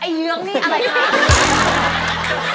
ไอ้เยื้องนี่อะไรค่ะ